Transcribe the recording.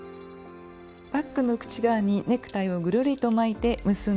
バッグの口側にネクタイをぐるりと巻いて結んでいます。